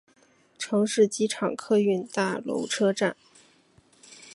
城市机场客运大楼车站。